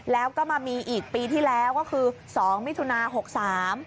แล้วก็มามีอีกปีที่แล้วก็คือสองมิถุนาหกสาม